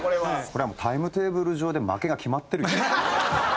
これはもうタイムテーブル上で負けが決まってるよ。